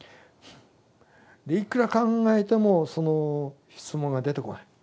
いくら考えてもその質問が出てこないもう。